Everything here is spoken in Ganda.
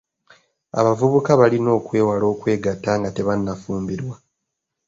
Abavubuka balina okwewala okwegatta nga tebannafumbirwa.